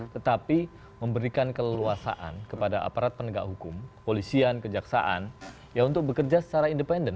tetapi memberikan keleluasaan kepada aparat penegak hukum kepolisian kejaksaan ya untuk bekerja secara independen